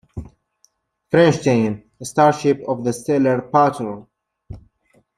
Feinstein, a starship of the Stellar Patrol.